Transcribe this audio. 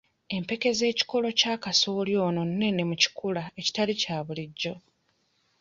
Empeke z'ekikolo kya kasooli ono nene mu kikula ekitali kya bulijjo.